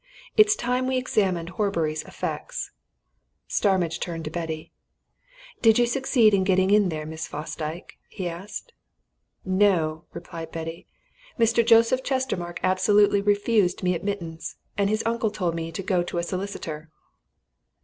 It's time we examined Horbury's effects." Starmidge turned to Betty. "Did you succeed in getting in there, Miss Fosdyke?" he asked. "No!" replied Betty. "Mr. Joseph Chestermarke absolutely refused me admittance, and his uncle told me to go to a solicitor."